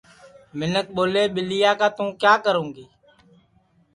منکھ ٻولے ٻیلیا کا توں کیا کرو گی